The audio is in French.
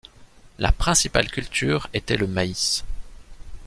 La principale culture était le maïs.